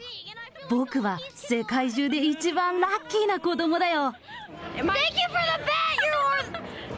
僕は世界中で一番ラッキーな子どもだよ。